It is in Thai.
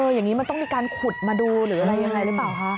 อย่างนี้มันต้องมีการขุดมาดูหรืออะไรยังไงหรือเปล่าคะ